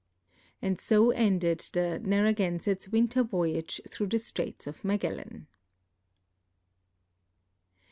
And so ended the NarracjametCs winter voyage through the Straits of Magellan.